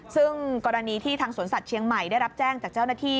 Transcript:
ซึ่งกรณีที่ทางสวนสัตว์เชียงใหม่ได้รับแจ้งจากเจ้าหน้าที่